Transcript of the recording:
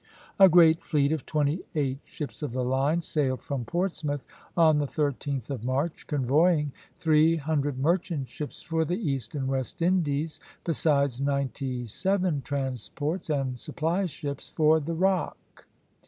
A great fleet of twenty eight ships of the line sailed from Portsmouth on the 13th of March, convoying three hundred merchant ships for the East and West Indies, besides ninety seven transports and supply ships for the Rock.